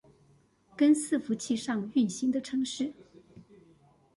跟伺服器上運行的程式